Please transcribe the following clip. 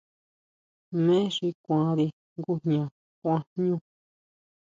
¿Jmé xi kuanri ngujña kuan jñú?